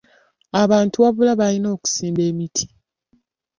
Abantu wabula balina okusimba emiti.